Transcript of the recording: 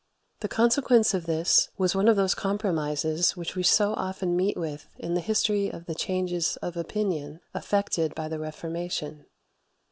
The consequence of this was one of those compromises which we so often meet with in the history of the changes of opinion effected by the Reformation.